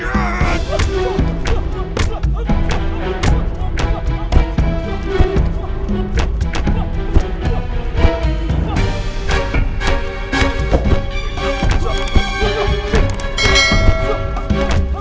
lo jangan berusaha berdua